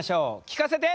聞かせて！